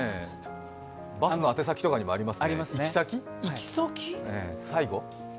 バスの行き先とかにもあります。